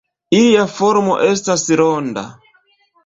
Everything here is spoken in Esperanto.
Ilia formo estas ronda.